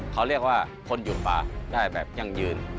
เขาเรียกว่าคนหยุดป่าได้แบบยั่งยืน